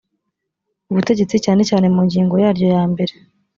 ubutegetsi cyane cyane mu ngingo yaryo yambere